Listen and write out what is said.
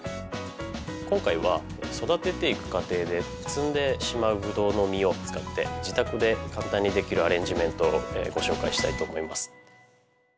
今回は育てていく過程で摘んでしまうブドウの実を使って自宅で簡単にできるアレンジメントをご紹介したいと思います。